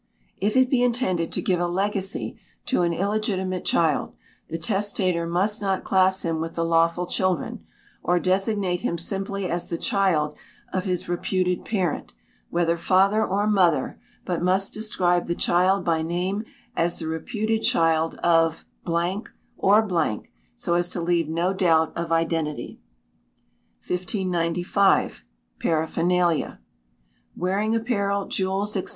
If it be intended to give a legacy to an illegitimate child, the testator must not class him with the lawful children, or designate him simply as the child of his reputed parent, whether father or mother, but must describe the child by name as the reputed child of or , so as to leave no doubt of identity. 1595. Paraphernalia. Wearing apparel, jewels, &c.